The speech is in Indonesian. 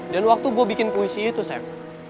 dan waktu gue bikin puisi itu sam